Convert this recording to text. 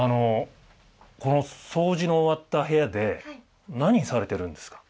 この掃除の終わった部屋で何されてるんですか？